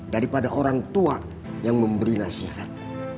daripada orang tua yang memberi nasihat